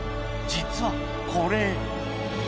［実はこれ］